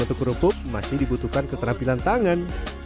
untuk kerupuk masih dibutuhkan keterampilan tangan